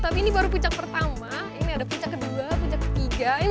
tapi ini baru puncak pertama ini ada puncak kedua puncak ketiga